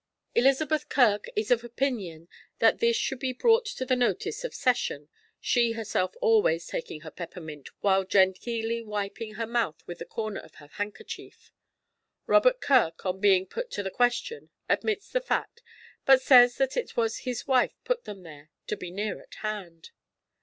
Elizabeth Kirk is of opinion that this should be brought to the notice of Session, she herself always taking her peppermint while genteelly wiping her mouth with the corner of her handkerchief. Robert Kirk, on being put to the question, admits the fact, but says that it was his wife put them there to be near her hand.